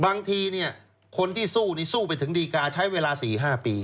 บางทีเนี่ยคนที่สู้นี่สู้ไปถึงดีการ์ใช้เวลา๔๕ปี